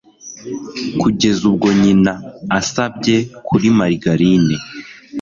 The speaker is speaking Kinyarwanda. kugeza ubwo nyina asabye kuri marigarine